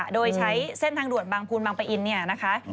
โดยใช้เส้นทางด่วนบางภูมิบางประอินทร์